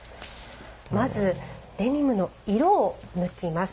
まず、デニムの色を抜きます。